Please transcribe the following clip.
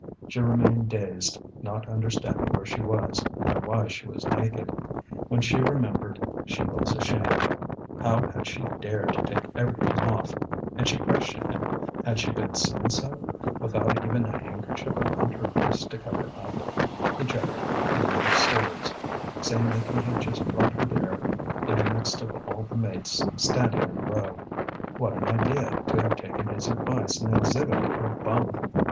She remained dazed, not understanding where she was, nor why she was naked. When she remembered she was ashamed. How had she dared to take everything off! And she questioned him; had she been seen so, without even a handkerchief around her waist to cover her? He joked, and made up stories, saying that he had just brought her there in the midst of all the mates standing in a row. What an idea, to have taken his advice and exhibited her bum!